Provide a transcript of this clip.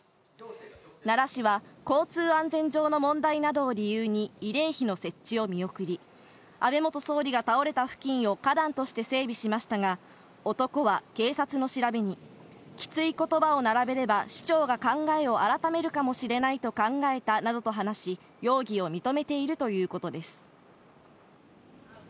奈良市は交通安全上の問題などを理由に慰霊碑の設置を見送り、安倍元総理が倒れた付近を花壇として整備しましたが、男は警察の調べに、きついことばを並べれば、市長が考えを改めるかもしれないと考えたなどと話し、容疑を認めているということです。